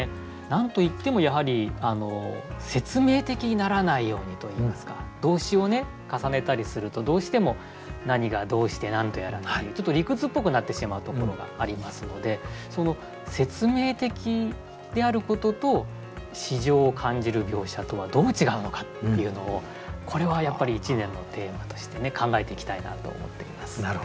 何と言ってもやはり説明的にならないようにといいますか動詞を重ねたりするとどうしても何がどうして何とやらというちょっと理屈っぽくなってしまうところがありますのでその説明的であることと詩情を感じる描写とはどう違うのかっていうのをこれはやっぱり一年のテーマとして考えていきたいなと思っています。